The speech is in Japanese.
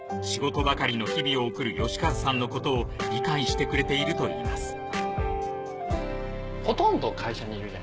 仕事ばかりの日々を送る慶和さんのことを理解してくれていると言います